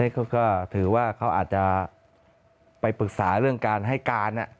เขาก็ถือว่าเขาอาจจะไปปรึกษาเรื่องการให้การ